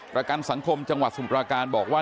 ประกันสังคมจังหวัดสมุปราการบอกว่า